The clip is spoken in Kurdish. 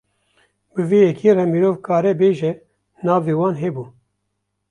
Bi vê yekê re mirov karê bêje navê wan hebû.